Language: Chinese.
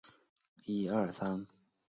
阿尔勒博斯克。